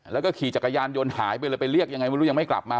แล้วก็ขี่จักรยานยนต์หายไปเลยไปเรียกยังไงไม่รู้ยังไม่กลับมา